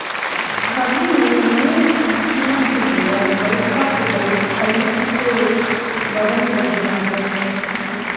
கவிஞன் மூ இஸ்ஸியினுடைய வைப்பாட்டிகள் பல்லக்கிலே பவனி வருகிறார்கள்.